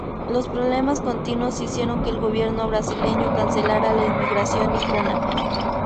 Los problemas continuos hicieron que el gobierno brasileño cancelara la inmigración nipona.